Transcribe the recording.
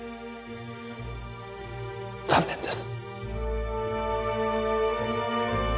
残念です。